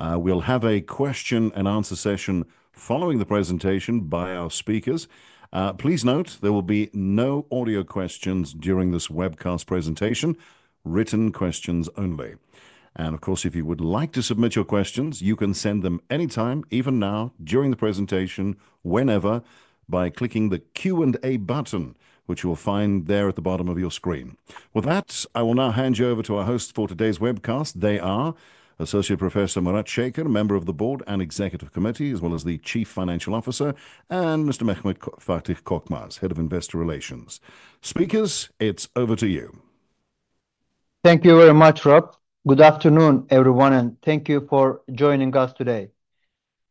We'll have a question and answer session following the presentation by our speakers. Please note, there will be no audio questions during this webcast presentation. Written questions only. Of course, if you would like to submit your questions, you can send them anytime, even now, during the presentation, whenever, by clicking the Q&A button, which you'll find there at the bottom of your screen. With that, I will now hand you over to our hosts for today's webcast. They are Associate Professor Murat Şeker, a member of the board and executive committee, as well as the Chief Financial Officer, and Mr. Mehmet Fatih Korkmaz, Head of Investor Relations. Speakers, it's over to you. Thank you very much, Rob. Good afternoon, everyone, and thank you for joining us today.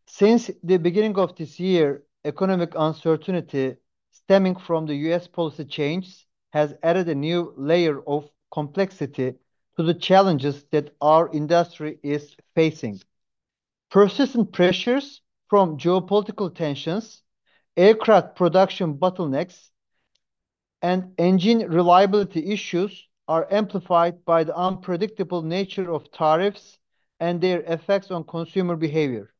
Since the beginning of this year, economic uncertainty stemming from the U.S. policy changes has added a new layer of complexity to the challenges that our industry is facing. Persistent pressures from geopolitical tensions, aircraft production bottlenecks, and engine reliability issues are amplified by the unpredictable nature of tariffs and their effects on consumer behavior.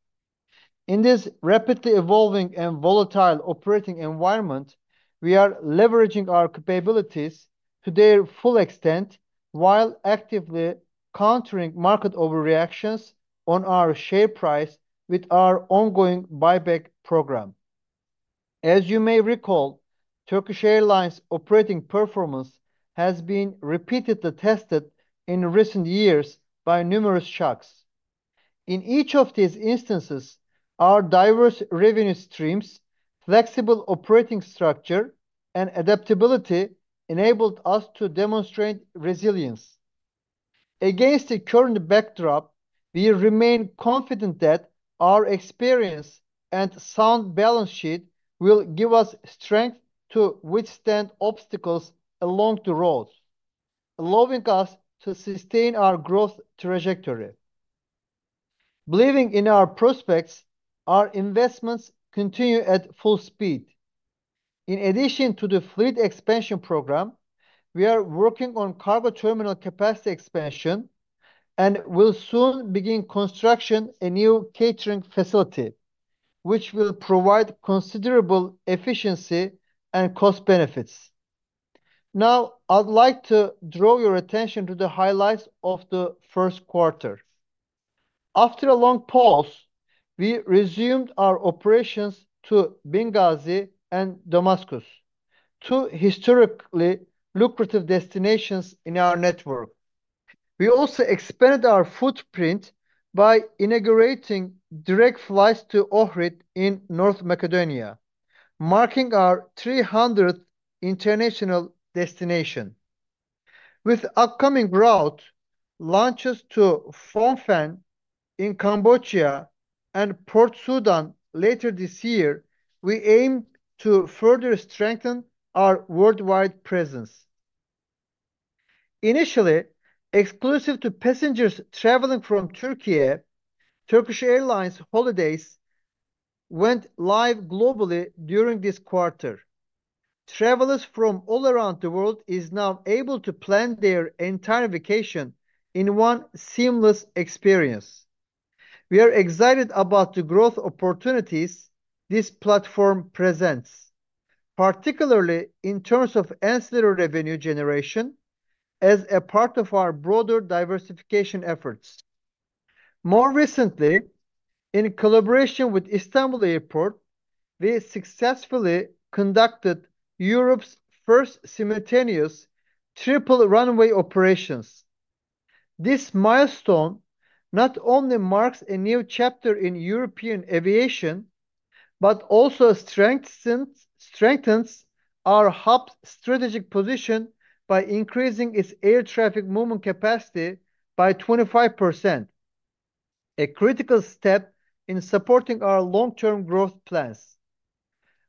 In this rapidly evolving and volatile operating environment, we are leveraging our capabilities to their full extent while actively countering market overreactions on our share price with our ongoing buyback program. As you may recall, Turkish Airlines' operating performance has been repeatedly tested in recent years by numerous shocks. In each of these instances, our diverse revenue streams, flexible operating structure, and adaptability enabled us to demonstrate resilience. Against the current backdrop, we remain confident that our experience and sound balance sheet will give us strength to withstand obstacles along the road, allowing us to sustain our growth trajectory. Believing in our prospects, our investments continue at full speed. In addition to the fleet expansion program, we are working on cargo terminal capacity expansion and will soon begin construction of a new catering facility, which will provide considerable efficiency and cost benefits. Now, I'd like to draw your attention to the highlights of the first quarter. After a long pause, we resumed our operations to Benghazi and Damascus, two historically lucrative destinations in our network. We also expanded our footprint by inaugurating direct flights to Ohrid in North Macedonia, marking our 300th international destination. With upcoming route launches to Phnom Penh in Cambodia and Port Sudan later this year, we aim to further strengthen our worldwide presence. Initially, exclusive to passengers traveling from Türkiye, Turkish Airlines Holidays went live globally during this quarter. Travelers from all around the world are now able to plan their entire vacation in one seamless experience. We are excited about the growth opportunities this platform presents, particularly in terms of ancillary revenue generation as a part of our broader diversification efforts. More recently, in collaboration with Istanbul Airport, we successfully conducted Europe's first simultaneous triple runway operations. This milestone not only marks a new chapter in European aviation but also strengthens our hub's strategic position by increasing its air traffic movement capacity by 25%, a critical step in supporting our long-term growth plans.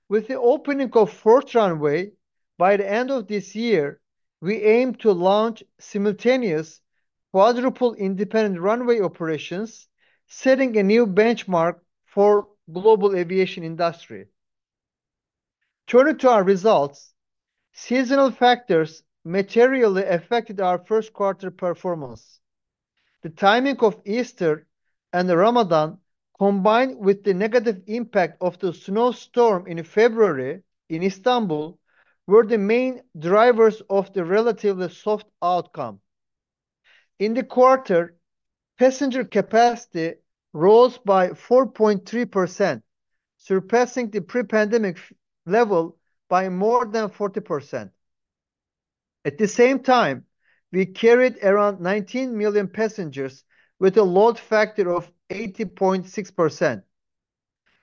With the opening of the fourth runway by the end of this year, we aim to launch simultaneous quadruple independent runway operations, setting a new benchmark for the global aviation industry. Turning to our results, seasonal factors materially affected our first quarter performance. The timing of Easter and Ramadan, combined with the negative impact of the snowstorm in February in Istanbul, were the main drivers of the relatively soft outcome. In the quarter, passenger capacity rose by 4.3%, surpassing the pre-pandemic level by more than 40%. At the same time, we carried around 19 million passengers with a load factor of 80.6%.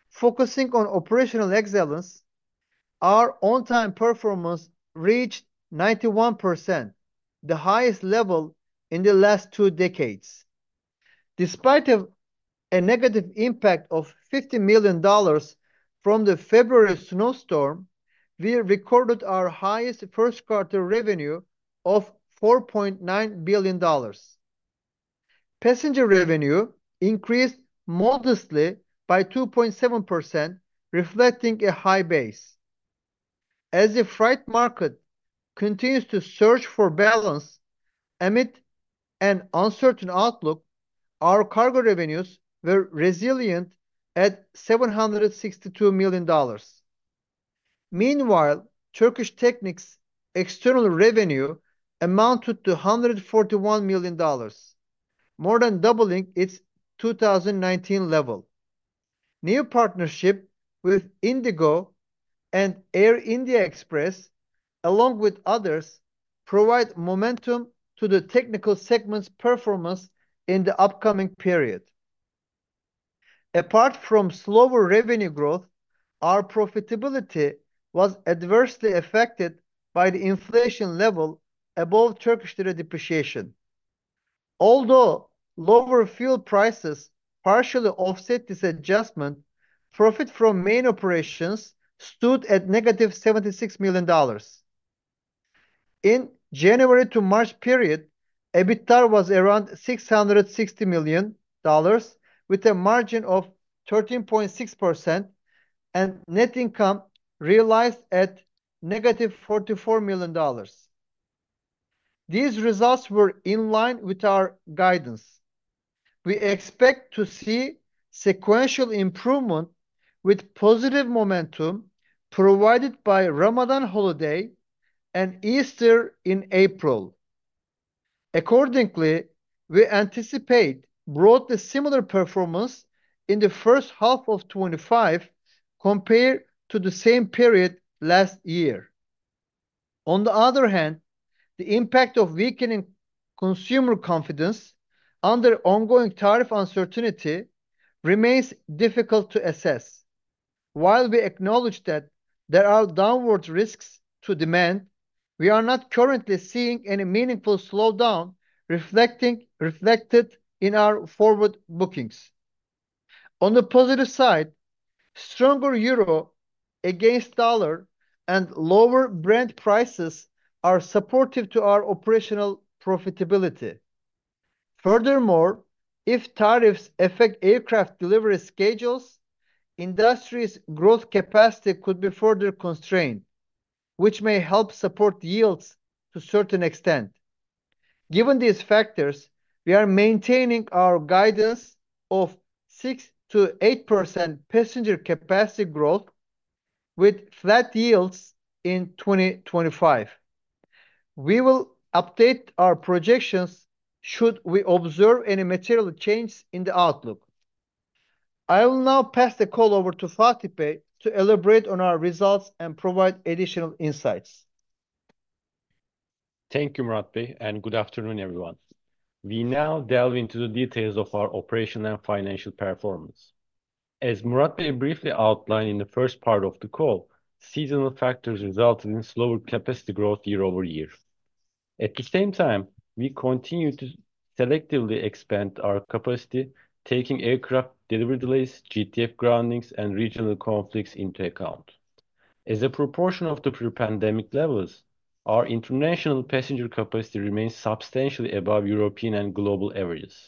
Focusing on operational excellence, our on-time performance reached 91%, the highest level in the last two decades. Despite a negative impact of $50 million from the February snowstorm, we recorded our highest first-quarter revenue of $4.9 billion. Passenger revenue increased modestly by 2.7%, reflecting a high base. As the freight market continues to search for balance amid an uncertain outlook, our cargo revenues were resilient at $762 million. Meanwhile, Turkish Technic's external revenue amounted to $141 million, more than doubling its 2019 level. New partnerships with IndiGo and Air India Express, along with others, provide momentum to the technical segment's performance in the upcoming period. Apart from slower revenue growth, our profitability was adversely affected by the inflation level above Turkish lira depreciation. Although lower fuel prices partially offset this adjustment, profit from main operations stood at negative $76 million. In the January to March period, EBITDA was around $660 million, with a margin of 13.6%, and net income realized at -$44 million. These results were in line with our guidance. We expect to see sequential improvement with positive momentum provided by Ramadan holiday and Easter in April. Accordingly, we anticipate broadly similar performance in the first half of 2025 compared to the same period last year. On the other hand, the impact of weakening consumer confidence under ongoing tariff uncertainty remains difficult to assess. While we acknowledge that there are downward risks to demand, we are not currently seeing any meaningful slowdown reflected in our forward bookings. On the positive side, stronger euro against dollar and lower Brent prices are supportive to our operational profitability. Furthermore, if tariffs affect aircraft delivery schedules, industry's growth capacity could be further constrained, which may help support yields to a certain extent. Given these factors, we are maintaining our guidance of 6%-8% passenger capacity growth with flat yields in 2025. We will update our projections should we observe any material change in the outlook. I will now pass the call over to Fatih Bey to elaborate on our results and provide additional insights. Thank you, Murat Bey, and good afternoon, everyone. We now delve into the details of our operational and financial performance. As Murat Bey briefly outlined in the first part of the call, seasonal factors resulted in slower capacity growth year-over-year. At the same time, we continue to selectively expand our capacity, taking aircraft delivery delays, GTF groundings, and regional conflicts into account. As a proportion of the pre-pandemic levels, our international passenger capacity remains substantially above European and global averages.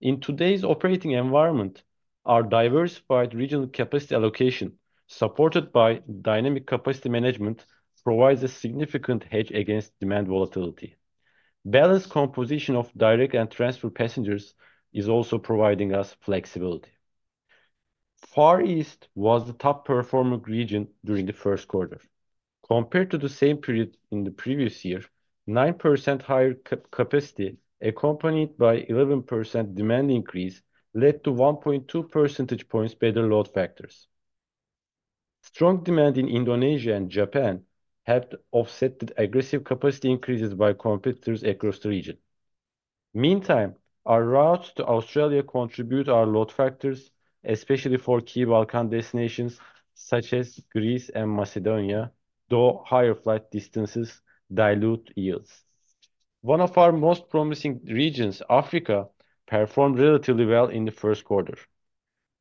In today's operating environment, our diversified regional capacity allocation, supported by dynamic capacity management, provides a significant hedge against demand volatility. Balanced composition of direct and transfer passengers is also providing us flexibility. Far East was the top-performing region during the first quarter. Compared to the same period in the previous year, 9% higher capacity, accompanied by an 11% demand increase, led to 1.2 percentage points better load factors. Strong demand in Indonesia and Japan helped offset the aggressive capacity increases by competitors across the region. Meantime, our routes to Australia contribute to our load factors, especially for key Balkan destinations such as Greece and Macedonia, though higher flight distances dilute yields. One of our most promising regions, Africa, performed relatively well in the first quarter.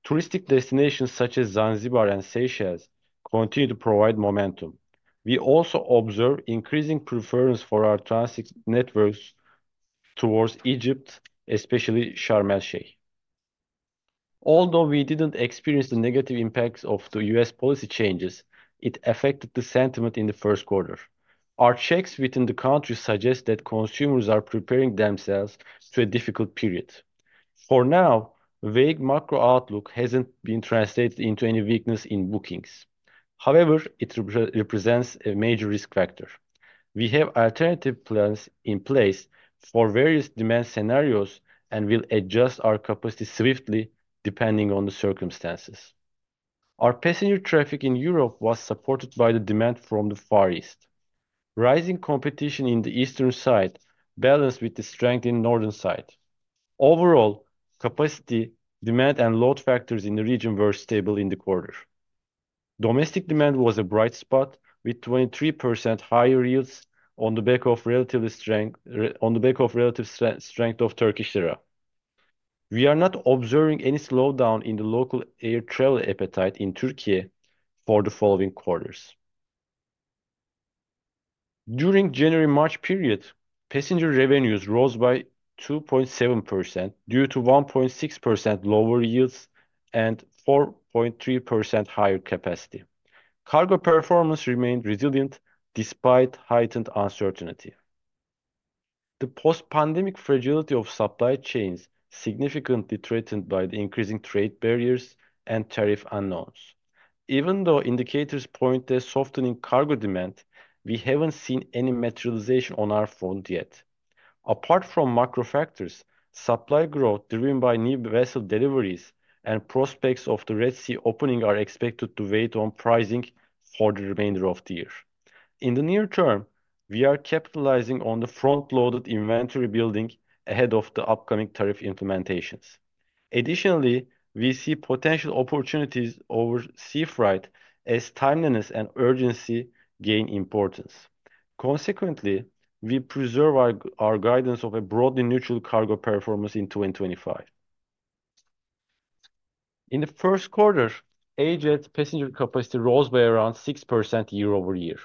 Touristic destinations such as Zanzibar and Seychelles continue to provide momentum. We also observe increasing preference for our transit networks towards Egypt, especially Sharm El Sheikh. Although we did not experience the negative impacts of the U.S. policy changes, it affected the sentiment in the first quarter. Our checks within the country suggest that consumers are preparing themselves for a difficult period. For now, vague macro outlook hasn't been translated into any weakness in bookings. However, it represents a major risk factor. We have alternative plans in place for various demand scenarios and will adjust our capacity swiftly depending on the circumstances. Our passenger traffic in Europe was supported by the demand from the Far East. Rising competition in the Eastern side balanced with the strength in the Northern side. Overall, capacity, demand, and load factors in the region were stable in the quarter. Domestic demand was a bright spot with 23% higher yields on the back of relative strength of Turkish lira. We are not observing any slowdown in the local air travel appetite in Türkiye for the following quarters. During the January-March period, passenger revenues rose by 2.7% due to 1.6% lower yields and 4.3% higher capacity. Cargo performance remained resilient despite heightened uncertainty. The post-pandemic fragility of supply chains is significantly threatened by the increasing trade barriers and tariff unknowns. Even though indicators point to a softening cargo demand, we have not seen any materialization on our front yet. Apart from macro factors, supply growth driven by new vessel deliveries and prospects of the Red Sea opening are expected to weigh on pricing for the remainder of the year. In the near term, we are capitalizing on the front-loaded inventory building ahead of the upcoming tariff implementations. Additionally, we see potential opportunities over sea freight as timeliness and urgency gain importance. Consequently, we preserve our guidance of a broadly neutral cargo performance in 2025. In the first quarter, AJet's passenger capacity rose by around 6% year-over-year.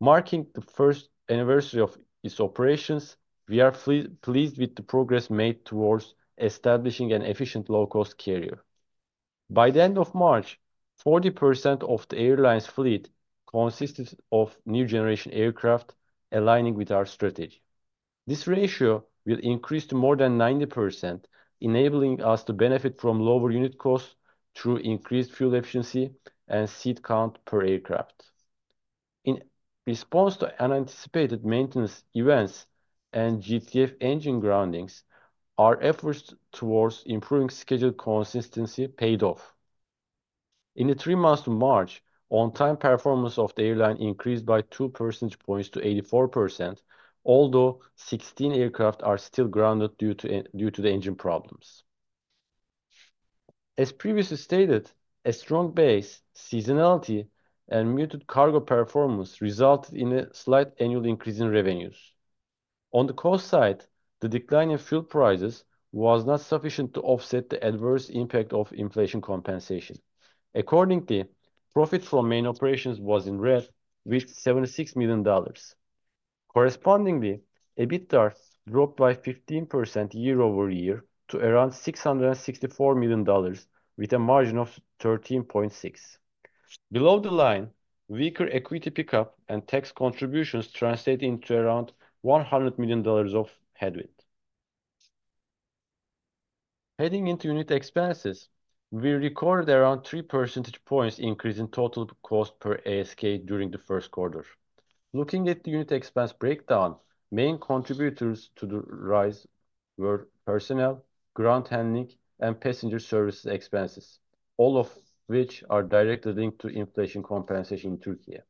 Marking the first anniversary of its operations, we are pleased with the progress made towards establishing an efficient low-cost carrier. By the end of March, 40% of the airline's fleet consisted of new generation aircraft aligning with our strategy. This ratio will increase to more than 90%, enabling us to benefit from lower unit costs through increased fuel efficiency and seat count per aircraft. In response to unanticipated maintenance events and GTF engine groundings, our efforts towards improving schedule consistency paid off. In the three months to March, on-time performance of the airline increased by 2 percentage points to 84%, although 16 aircraft are still grounded due to the engine problems. As previously stated, a strong base, seasonality, and muted cargo performance resulted in a slight annual increase in revenues. On the cost side, the decline in fuel prices was not sufficient to offset the adverse impact of inflation compensation. Accordingly, profit from main operations was in red, with $76 million. Correspondingly, EBITDA dropped by 15% year-over-year to around $664 million, with a margin of 13.6%. Below the line, weaker equity pickup and tax contributions translated into around $100 million of headwind. Heading into unit expenses, we recorded around 3 percentage points increase in total cost per ASK during the first quarter. Looking at the unit expense breakdown, main contributors to the rise were personnel, ground handling, and passenger services expenses, all of which are directly linked to inflation compensation in Türkiye.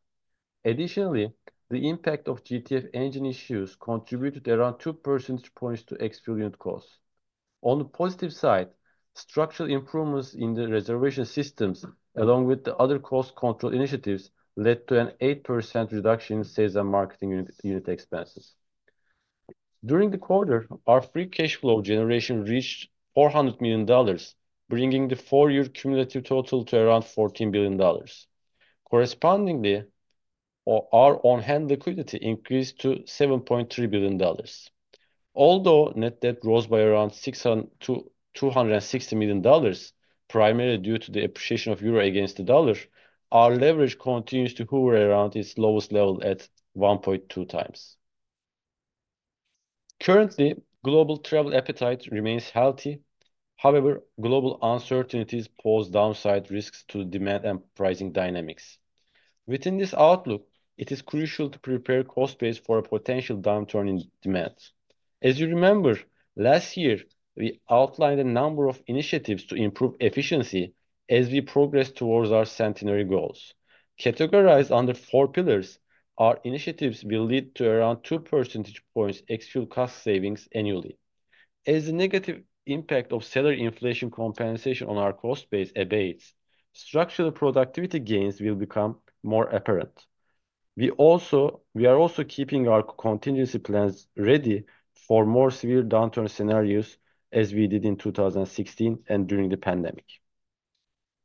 Additionally, the impact of GTF engine issues contributed around 2 percentage points to ex-fuel costs. On the positive side, structural improvements in the reservation systems, along with the other cost control initiatives, led to an 8% reduction in sales and marketing unit expenses. During the quarter, our free cash flow generation reached $400 million, bringing the four-year cumulative total to around $14 billion. Correspondingly, our on-hand liquidity increased to $7.3 billion. Although net debt rose by around $260 million, primarily due to the appreciation of euro against the dollar, our leverage continues to hover around its lowest level at 1.2x. Currently, global travel appetite remains healthy. However, global uncertainties pose downside risks to demand and pricing dynamics. Within this outlook, it is crucial to prepare cost base for a potential downturn in demand. As you remember, last year, we outlined a number of initiatives to improve efficiency as we progress towards our centenary goals. Categorized under four pillars, our initiatives will lead to around 2 percentage points ex-fuel cost savings annually. As the negative impact of salary inflation compensation on our cost base abates, structural productivity gains will become more apparent. We are also keeping our contingency plans ready for more severe downturn scenarios as we did in 2016 and during the pandemic.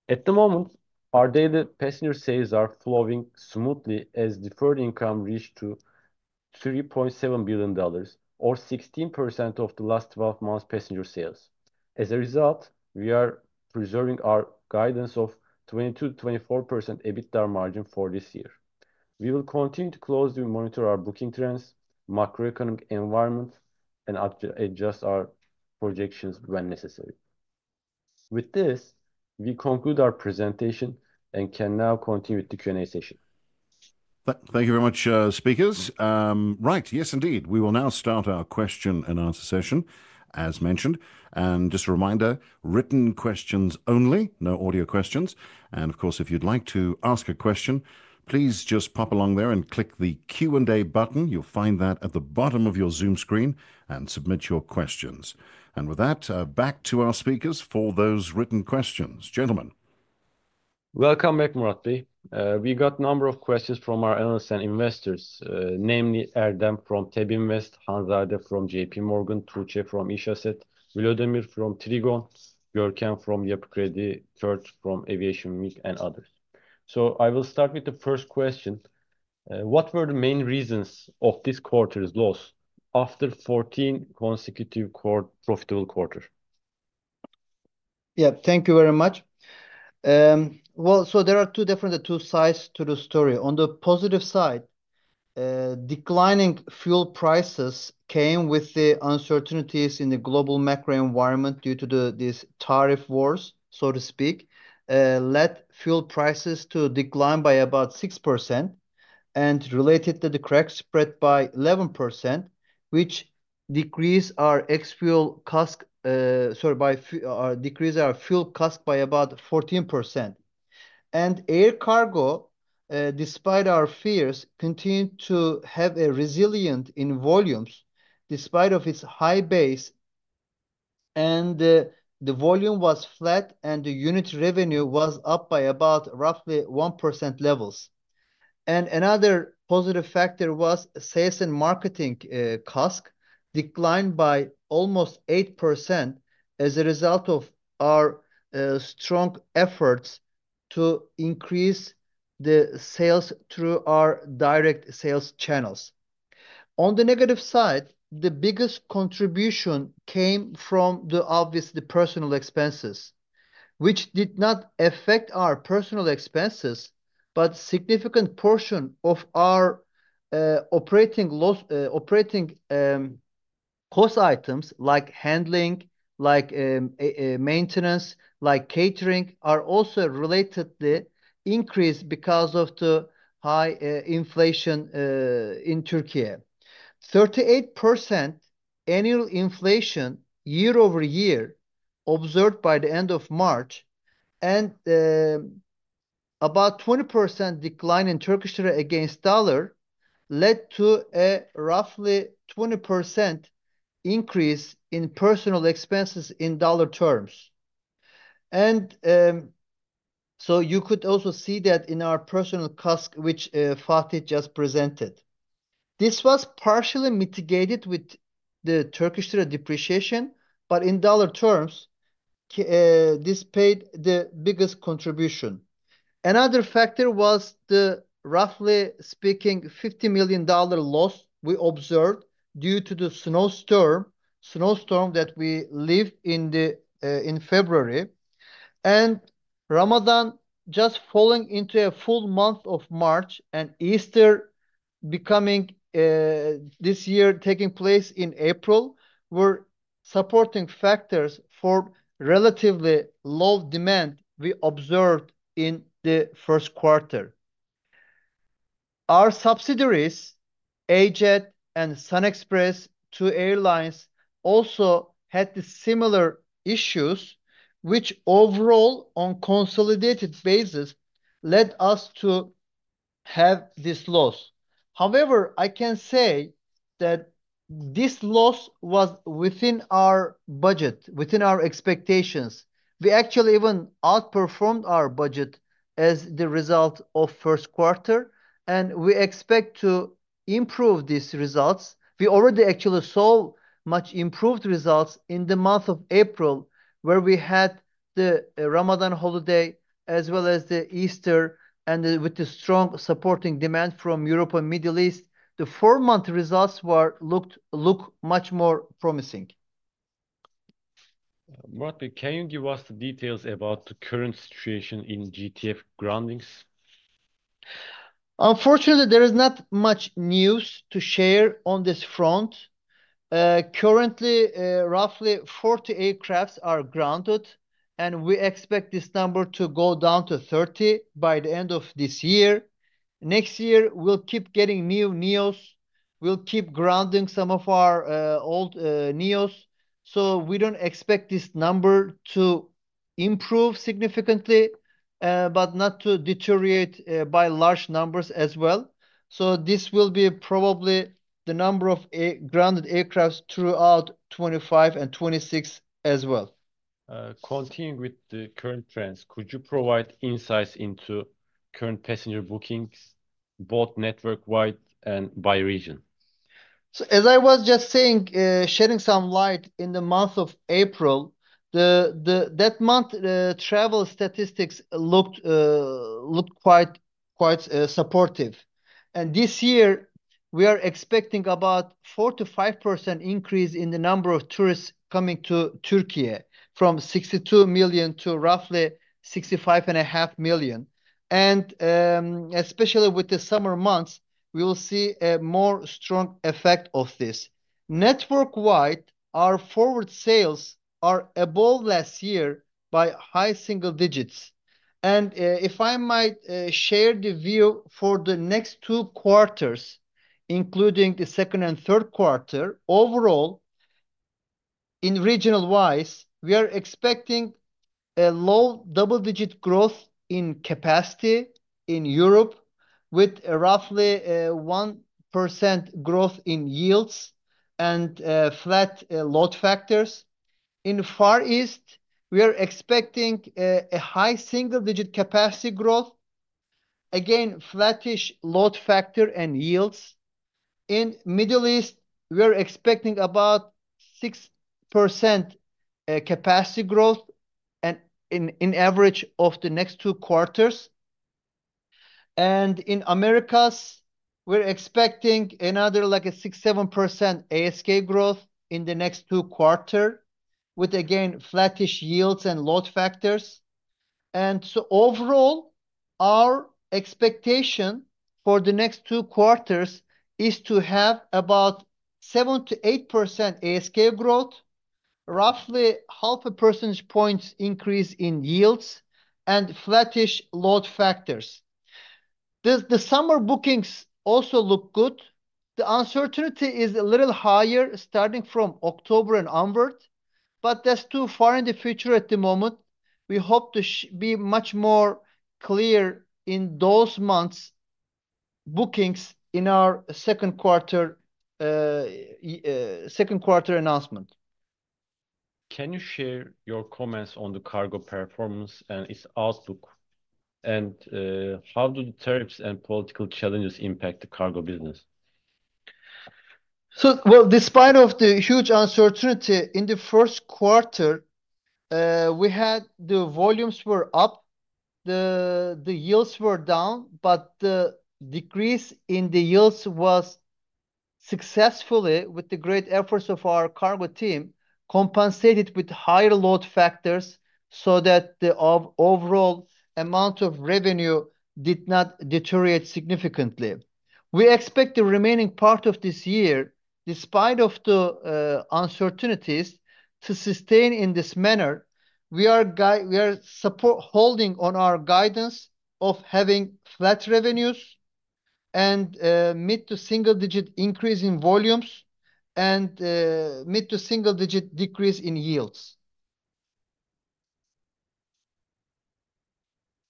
At the moment, our daily passenger sales are flowing smoothly as deferred income reached $3.7 billion, or 16% of the last 12 months' passenger sales. As a result, we are preserving our guidance of 22%-24% EBITDA margin for this year. We will continue to closely monitor our booking trends, macroeconomic environment, and adjust our projections when necessary. With this, we conclude our presentation and can now continue with the Q&A session. Thank you very much, speakers. Right, yes, indeed. We will now start our question and answer session, as mentioned. Just a reminder, written questions only, no audio questions. Of course, if you'd like to ask a question, please just pop along there and click the Q&A button. You'll find that at the bottom of your Zoom screen and submit your questions. With that, back to our speakers for those written questions. Gentlemen. Welcome back, Murat Bey. We got a number of questions from our analysts and investors, namely Erdem from TEB Invest, Hanzade from JPMorgan, Tuğçe from İş Yatırım, Volodymyr from Trigon, Görkem from Yapı Kredi, Kurt from Aviation Week, and others. I will start with the first question. What were the main reasons of this quarter's loss after 14 consecutive profitable quarters? Yeah, thank you very much. There are two different sides to the story. On the positive side, declining fuel prices came with the uncertainties in the global macro environment due to these tariff wars, so to speak, led fuel prices to decline by about 6% and related to the crack spread by 11%, which decreased our ex-fuel cost, sorry, decreased our fuel cost by about 14%. Air cargo, despite our fears, continued to have a resilience in volumes despite its high base, and the volume was flat, and the unit revenue was up by about roughly 1% levels. Another positive factor was sales and marketing cost declined by almost 8% as a result of our strong efforts to increase the sales through our direct sales channels. On the negative side, the biggest contribution came from, obviously, the personnel expenses, which did not affect our personnel expenses, but a significant portion of our operating cost items, like handling, like maintenance, like catering, are also related to the increase because of the high inflation in Türkiye. 38% annual inflation year-over-year observed by the end of March, and about 20% decline in Turkish lira against dollar led to a roughly 20% increase in personnel expenses in dollar terms. You could also see that in our personnel cost, which Fatih just presented. This was partially mitigated with the Turkish lira depreciation, but in dollar terms, this paid the biggest contribution. Another factor was the, roughly speaking, $50 million loss we observed due to the snowstorm that we lived in February. Ramadan just falling into a full month of March and Easter this year taking place in April were supporting factors for relatively low demand we observed in the first quarter. Our subsidiaries, AJet and SunExpress, two airlines, also had similar issues, which overall, on a consolidated basis, led us to have this loss. However, I can say that this loss was within our budget, within our expectations. We actually even outperformed our budget as the result of the first quarter, and we expect to improve these results. We already actually saw much improved results in the month of April, where we had the Ramadan holiday, as well as the Easter, and with the strong supporting demand from Europe and the Middle East, the four-month results looked much more promising. Murat Bey, can you give us the details about the current situation in GTF groundings? Unfortunately, there is not much news to share on this front. Currently, roughly 40 aircraft are grounded, and we expect this number to go down to 30 by the end of this year. Next year, we'll keep getting new NEOs. We'll keep grounding some of our old NEOs. We don't expect this number to improve significantly, but not to deteriorate by large numbers as well. This will be probably the number of grounded aircraft throughout 2025 and 2026 as well. Continuing with the current trends, could you provide insights into current passenger bookings, both network-wide and by region? As I was just saying, shedding some light in the month of April, that month, travel statistics looked quite supportive. This year, we are expecting about a 4%-5% increase in the number of tourists coming to Türkiye, from 62 million to roughly 65.5 million. Especially with the summer months, we will see a more strong effect of this. Network-wide, our forward sales are above last year by high single digits. If I might share the view for the next two quarters, including the second and third quarter, overall, in regional-wise, we are expecting a low double-digit growth in capacity in Europe, with roughly a 1% growth in yields and flat load factors. In Far East, we are expecting a high single-digit capacity growth, again, flattish load factor and yields. In the Middle East, we're expecting about a 6% capacity growth in average of the next two quarters. In the Americas, we're expecting another like a 6%-7% ASK growth in the next two quarters, with, again, flattish yields and load factors. Overall, our expectation for the next two quarters is to have about a 7%-8% ASK growth, roughly half a percentage point increase in yields, and flattish load factors. The summer bookings also look good. The uncertainty is a little higher starting from October and onward, but that's too far in the future at the moment. We hope to be much more clear in those months' bookings in our second quarter announcement. Can you share your comments on the cargo performance and its outlook? How do the tariffs and political challenges impact the cargo business? Despite the huge uncertainty in the first quarter, we had the volumes were up, the yields were down, but the decrease in the yields was successfully, with the great efforts of our cargo team, compensated with higher load factors so that the overall amount of revenue did not deteriorate significantly. We expect the remaining part of this year, despite the uncertainties, to sustain in this manner. We are holding on our guidance of having flat revenues and mid to single-digit increase in volumes and mid to single-digit decrease in yields.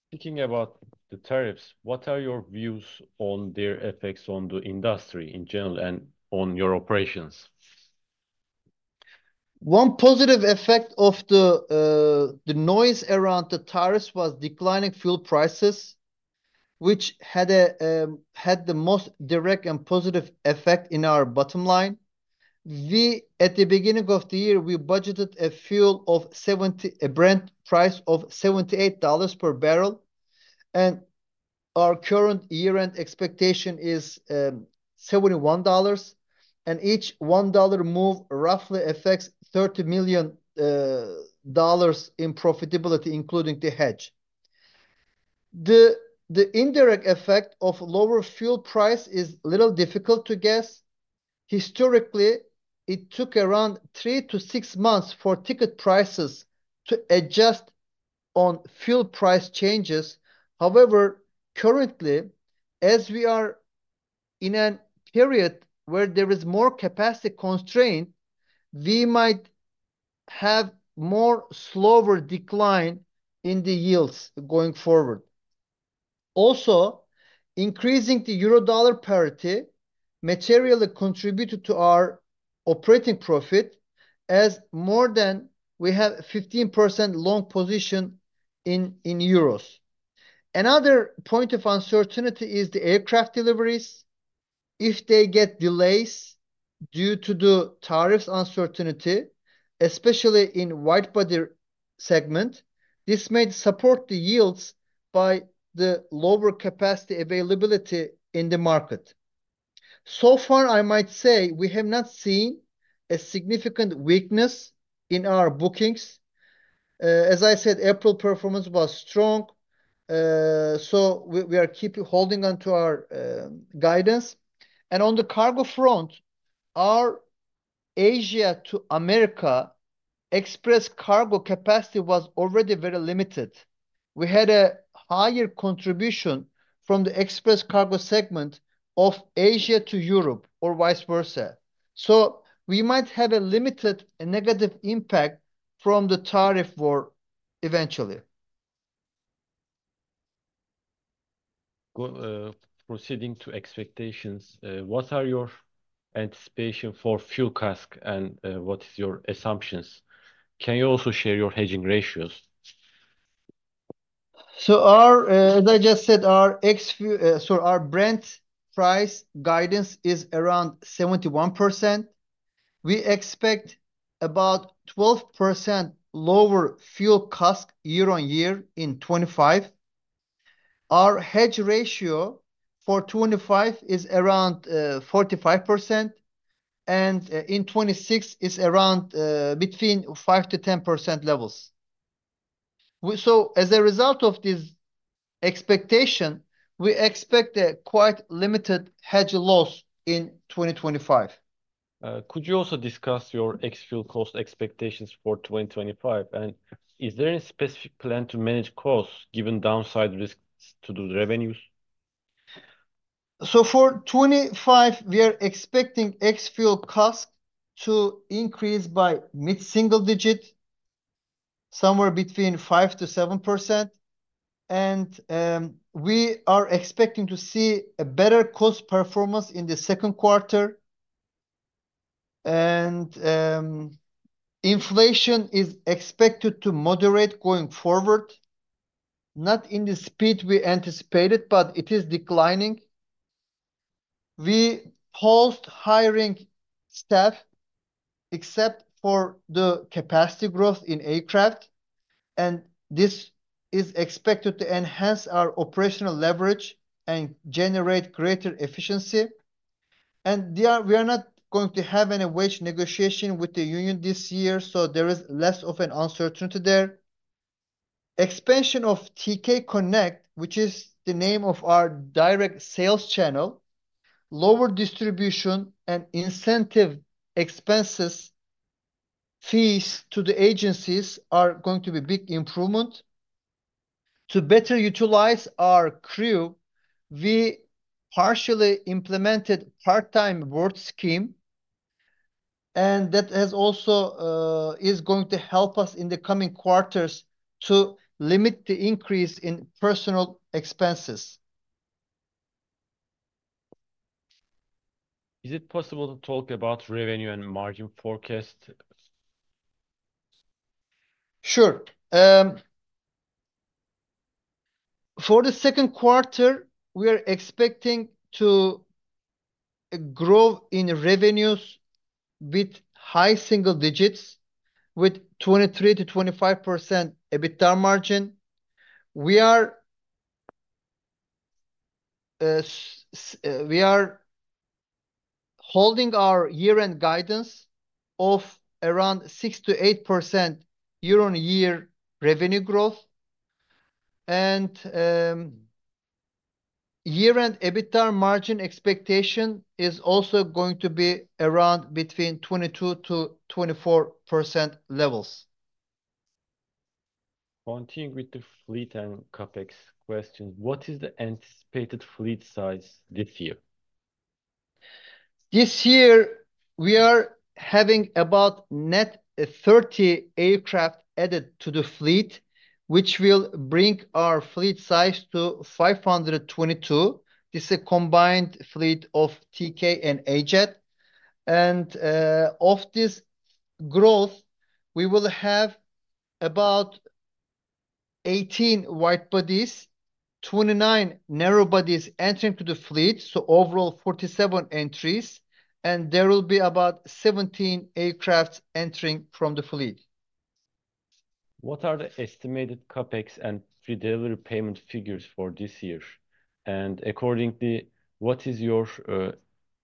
Speaking about the tariffs, what are your views on their effects on the industry in general and on your operations? One positive effect of the noise around the tariffs was declining fuel prices, which had the most direct and positive effect in our bottom line. At the beginning of the year, we budgeted a fuel of $70, a Brent price of $78 per barrel. Our current year-end expectation is $71. Each $1 move roughly affects $30 million in profitability, including the hedge. The indirect effect of lower fuel price is a little difficult to guess. Historically, it took around three to six months for ticket prices to adjust on fuel price changes. However, currently, as we are in a period where there is more capacity constrained, we might have a more slower decline in the yields going forward. Also, increasing the euro/dollar parity materially contributed to our operating profit as more than we have a 15% long position in euros. Another point of uncertainty is the aircraft deliveries. If they get delays due to the tariffs uncertainty, especially in the wide-body segment, this may support the yields by the lower capacity availability in the market. So far, I might say we have not seen a significant weakness in our bookings. As I said, April performance was strong. We are keeping holding on to our guidance. On the cargo front, our Asia to America express cargo capacity was already very limited. We had a higher contribution from the express cargo segment of Asia to Europe or vice versa. We might have a limited negative impact from the tariff war eventually. Proceeding to expectations, what are your anticipations for fuel costs and what are your assumptions? Can you also share your hedging ratios? As I just said, our Brent price guidance is around 71%. We expect about a 12% lower fuel cost year on year in 2025. Our hedge ratio for 2025 is around 45%, and in 2026, it is around between 5%-10% levels. As a result of this expectation, we expect a quite limited hedge loss in 2025. Could you also discuss your ex-fuel cost expectations for 2025? Is there a specific plan to manage costs given downside risks to the revenues? For 2025, we are expecting ex-fuel costs to increase by mid-single digit, somewhere between 5%-7%. We are expecting to see a better cost performance in the second quarter. Inflation is expected to moderate going forward, not in the speed we anticipated, but it is declining. We paused hiring staff except for the capacity growth in aircraft. This is expected to enhance our operational leverage and generate greater efficiency. We are not going to have any wage negotiation with the union this year, so there is less of an uncertainty there. Expansion of TKCONNECT, which is the name of our direct sales channel, lower distribution, and incentive expenses fees to the agencies are going to be a big improvement. To better utilize our crew, we partially implemented a part-time work scheme. That also is going to help us in the coming quarters to limit the increase in personal expenses. Is it possible to talk about revenue and margin forecast? Sure. For the second quarter, we are expecting to grow in revenues with high single digits, with 23%-25% EBITDA margin. We are holding our year-end guidance of around 6%-8% year-on-year revenue growth. Year-end EBITDA margin expectation is also going to be around between 22%-24% levels. Continuing with the fleet and CapEx questions, what is the anticipated fleet size this year? This year, we are having about net 30 aircraft added to the fleet, which will bring our fleet size to 522. This is a combined fleet of TK and AJet. Of this growth, we will have about 18 wide bodies, 29 narrow bodies entering to the fleet, so overall 47 entries. There will be about 17 aircraft entering from the fleet. What are the estimated CapEx and pre-delivery payment figures for this year? Accordingly, what is your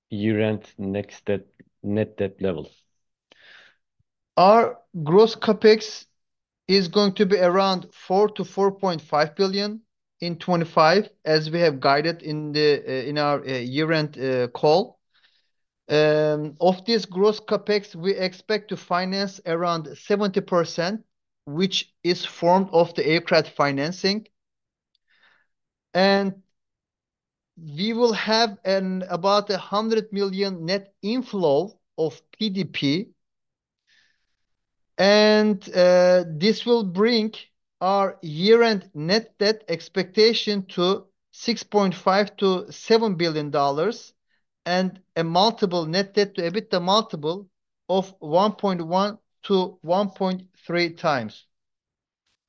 year-end net debt level? Our gross CapEx is going to be around $4 billion-$4.5 billion in 2025, as we have guided in our year-end call. Of this gross CapEx, we expect to finance around 70%, which is formed of the aircraft financing. We will have about $100 million net inflow of PDP. This will bring our year-end net debt expectation to $6.5 billion-$7 billion and a net debt to EBITDA multiple of 1.1x-1.3x.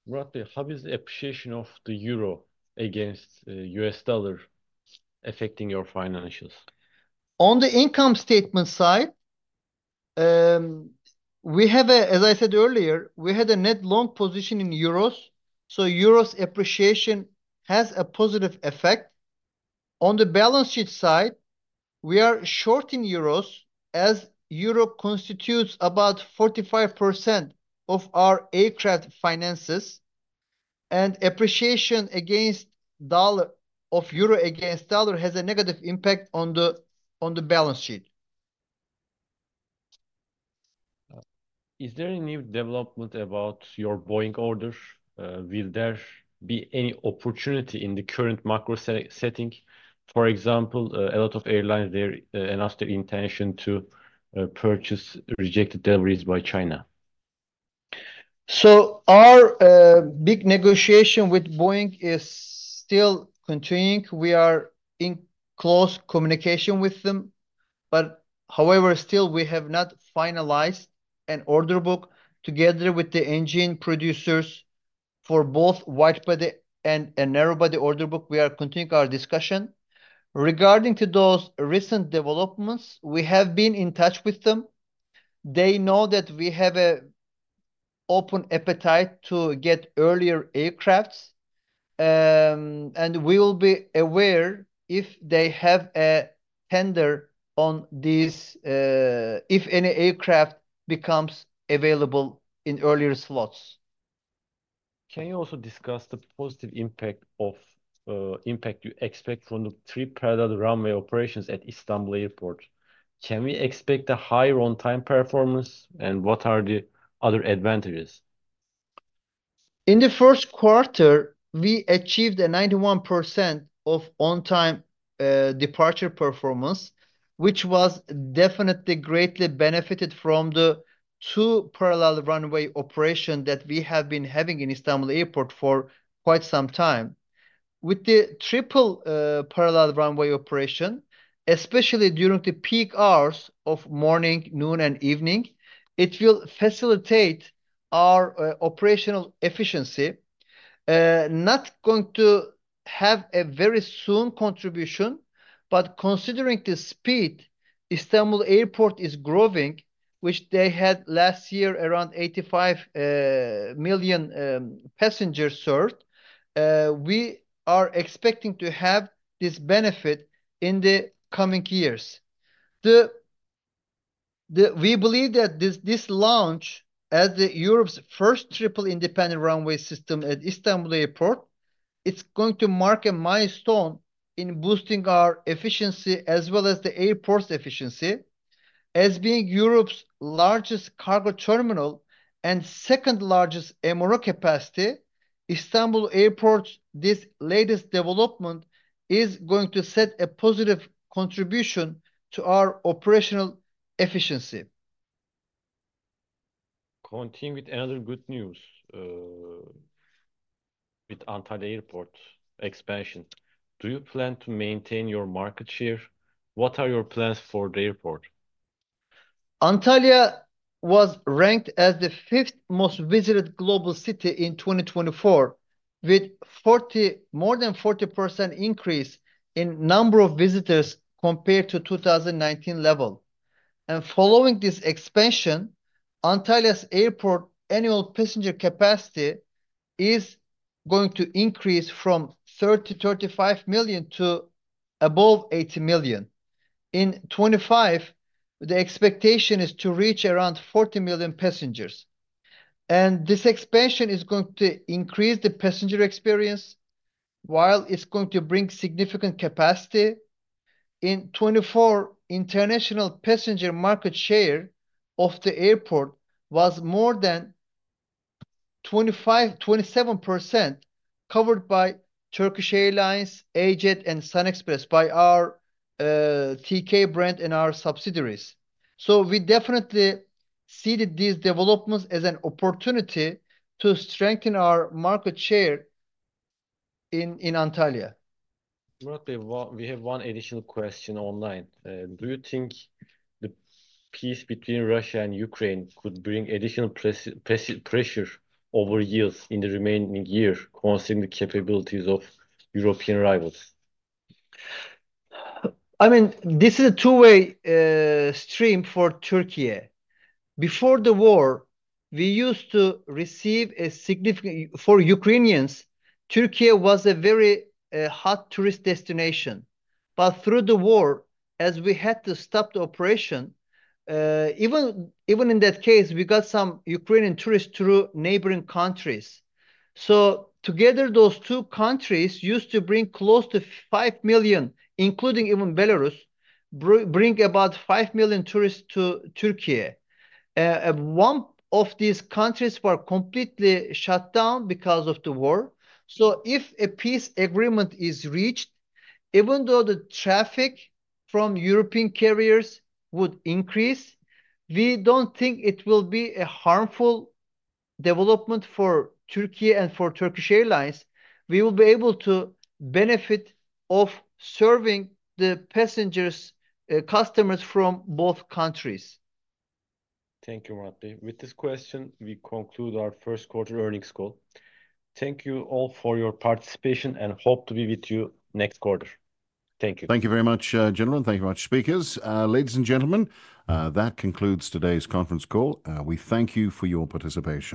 Murat Bey, how is the appreciation of the euro against U.S. dollar affecting your financials? On the income statement side, we have a, as I said earlier, we had a net long position in euros. So euros appreciation has a positive effect. On the balance sheet side, we are short in euros as Europe constitutes about 45% of our aircraft finances. And appreciation against dollar of euro against dollar has a negative impact on the balance sheet. Is there any development about your Boeing orders? Will there be any opportunity in the current macro setting? For example, a lot of airlines there announced their intention to purchase rejected deliveries by China. Our big negotiation with Boeing is still continuing. We are in close communication with them. However, still, we have not finalized an order book together with the engine producers for both wide body and narrow body order book. We are continuing our discussion. Regarding those recent developments, we have been in touch with them. They know that we have an open appetite to get earlier aircraft. We will be aware if they have a tender on this, if any aircraft becomes available in earlier slots. Can you also discuss the positive impact you expect from the triple runway operations at Istanbul Airport? Can we expect a higher on-time performance? What are the other advantages? In the first quarter, we achieved a 91% of on-time departure performance, which was definitely greatly benefited from the two parallel runway operations that we have been having in Istanbul Airport for quite some time. With the triple parallel runway operation, especially during the peak hours of morning, noon, and evening, it will facilitate our operational efficiency. Not going to have a very soon contribution, but considering the speed Istanbul Airport is growing, which they had last year, around 85 million passengers served, we are expecting to have this benefit in the coming years. We believe that this launch as Europe's first triple independent runway system at Istanbul Airport, it's going to mark a milestone in boosting our efficiency as well as the airport's efficiency. As being Europe's largest cargo terminal and second largest MRO capacity, Istanbul Airport's latest development is going to set a positive contribution to our operational efficiency. Continuing with another good news with Antalya Airport expansion. Do you plan to maintain your market share? What are your plans for the airport? Antalya was ranked as the fifth most visited global city in 2024, with more than a 40% increase in the number of visitors compared to the 2019 level. Following this expansion, Antalya's airport annual passenger capacity is going to increase from 30-35 million to above 80 million. In 2025, the expectation is to reach around 40 million passengers. This expansion is going to increase the passenger experience while it is going to bring significant capacity. In 2024, international passenger market share of the airport was more than 27% covered by Turkish Airlines, AJet, and SunExpress by our TK brand and our subsidiaries. We definitely see these developments as an opportunity to strengthen our market share in Antalya. Murat Bey, we have one additional question online. Do you think the peace between Russia and Ukraine could bring additional pressure over years in the remaining year considering the capabilities of European rivals? I mean, this is a two-way stream for Türkiye. Before the war, we used to receive a significant, for Ukrainians, Türkiye was a very hot tourist destination. Through the war, as we had to stop the operation, even in that case, we got some Ukrainian tourists through neighboring countries. Together, those two countries used to bring close to 5 million, including even Belarus, bring about 5 million tourists to Türkiye. One of these countries was completely shut down because of the war. If a peace agreement is reached, even though the traffic from European carriers would increase, we do not think it will be a harmful development for Türkiye and for Turkish Airlines. We will be able to benefit from serving the passengers, customers from both countries. Thank you, Murat Bey. With this question, we conclude our first quarter earnings call. Thank you all for your participation and hope to be with you next quarter. Thank you. Thank you very much, gentlemen. Thank you very much, speakers. Ladies and gentlemen, that concludes today's conference call. We thank you for your participation.